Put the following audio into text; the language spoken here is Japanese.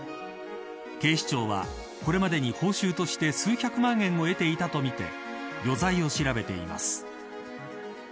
警視庁は、これまでに報酬として数百万円を得ていたとみて余罪を調べています。